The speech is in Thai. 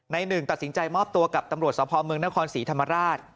หนึ่งตัดสินใจมอบตัวกับตำรวจสภเมืองนครศรีธรรมราช